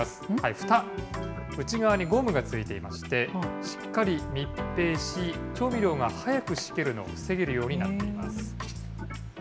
ふた、内側にゴムがついていまして、しっかり密閉し、調味料が早くしけるのを防げるようになっています。